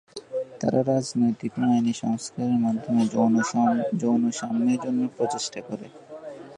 তারা রাজনৈতিক ও আইনি সংস্কারের মাধ্যমে যৌন সাম্যের জন্য প্রচেষ্টা করে।